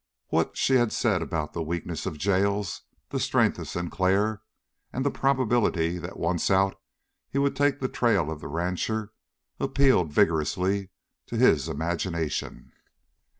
What she had said about the weakness of jails, the strength of Sinclair, and the probability that once out he would take the trail of the rancher, appealed vigorously to his imagination.